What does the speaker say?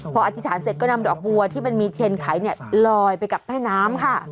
พออธิษฐานเสร็จก็นำดอกบัวที่มันมีเทนไขเนี่ยลอยไปกับแม่น้ำค่ะ